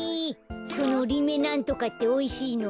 そのリメなんとかっておいしいの？